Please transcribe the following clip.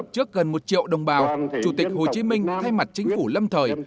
trước gần một triệu đồng bào chủ tịch hồ chí minh thay mặt chính phủ lâm thời